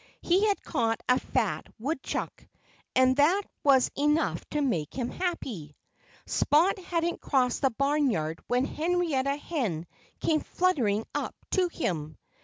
He had caught a fat woodchuck. And that was enough to make him happy. Spot hadn't crossed the barnyard when Henrietta Hen came fluttering up to him.